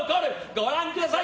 ご覧ください！